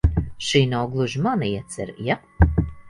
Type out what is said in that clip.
Šī nav gluži mana iecere, ja?